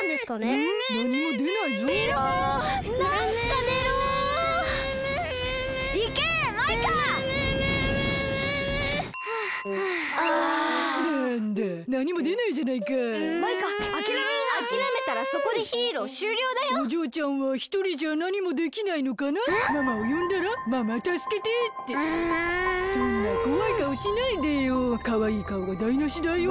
かわいいかおがだいなしだよ。